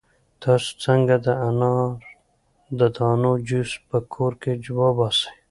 تاسو څنګه د انار د دانو جوس په کور کې وباسئ؟